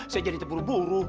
saya jadi terburu buru